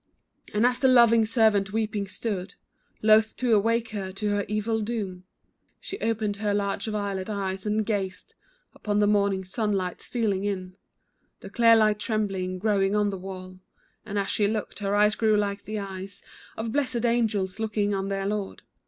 And as the loving servant weeping stood, Loath to awake her to her evil doom, She opened her large violet eyes, and gazed Upon the morning sunlight stealing in; The clear light trembling, growing on the wall, And as she looked, her eyes grew like the eyes Of blessed angels looking on their Lord.